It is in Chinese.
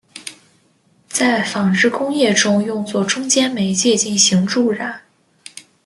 在纺织工业中用作中间媒介进行助染。